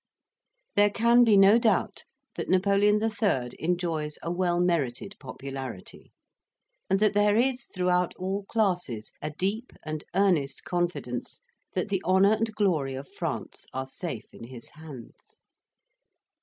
There can be no doubt that Napoleon III. enjoys a well merited popularity, and that there is throughout all classes a deep and earnest confidence that the honour and glory of France are safe in his hands.